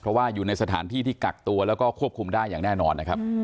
เพราะว่าอยู่ในสถานที่ที่กักตัวแล้วก็ควบคุมได้อย่างแน่นอนนะครับ